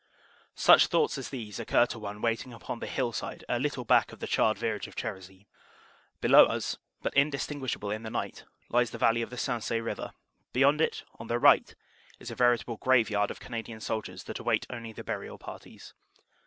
Such thoughts as these occur to one waiting upon the hill side a little back of the charred village of Cherisy. Below us, but indistinguishable in the night, lies the valley of the Sensee river; beyond it, on the right, is a veritable graveyard of Cana dian soldiers they await only the burial parties.